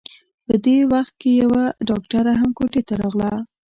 په دې وخت کې يوه ډاکټره هم کوټې ته راغله.